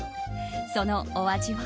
そのお味は。